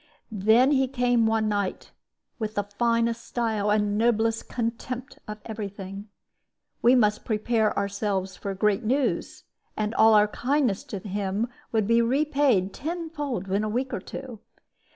"Then he came one night, with the finest style and noblest contempt of every thing. We must prepare ourselves for great news, and all our kindness to him would be repaid tenfold in a week or two.